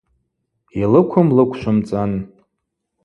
Йлыквым лыквшвымцӏан.